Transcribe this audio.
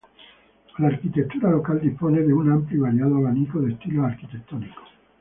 La arquitectura local dispone de un amplio y variado abanico de estilos arquitectónicos.